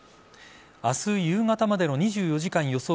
明日夕方までの２４時間予想